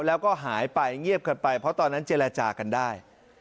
แล้วก็หายไปเงียบกันไปเพราะตอนนั้นเจรจากันได้